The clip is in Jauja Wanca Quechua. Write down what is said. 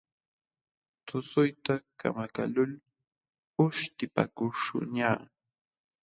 Tushuyta kamakaqlul uśhtipakuśhunñaq.